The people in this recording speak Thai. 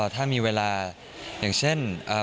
ถ้ามีเวลาแบบเมียที่เลย